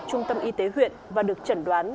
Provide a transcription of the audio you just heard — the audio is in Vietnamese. trung tâm y tế huyện và được chẩn đoán